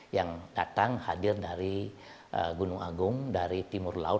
yang datang hadir dari gunung agung dari timur laut